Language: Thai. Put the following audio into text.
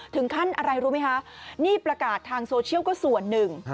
ถึงขั้นอะไรรู้ไหมคะนี่ประกาศทางโซเชียลก็ส่วนหนึ่ง